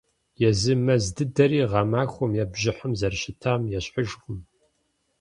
Езы мэз дыдэри гъэмахуэм е бжьыхьэм зэрыщытам ещхьыжкъым.